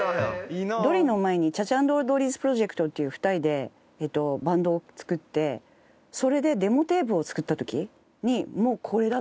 ドリの前にＣＨＡ−ＣＨＡ＆ＡＵＤＲＥＹ’ＳＰＲＯＪＥＣＴっていう２人でバンドを作ってそれでデモテープを作った時にもうこれだ！